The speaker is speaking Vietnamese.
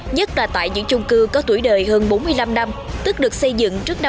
nhất là tại những chung cư có tuổi đời hơn bốn mươi năm năm tức được xây dựng trước năm một nghìn